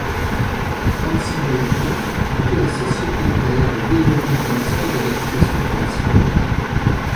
Ansible Inc. était la société derrière le développement commercial de l'application Ansible.